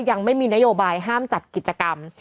ยังไม่มีนโยบายห้ามจัดกิจกรรม